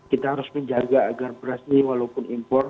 kita harus menjaga agar beras ini walaupun impor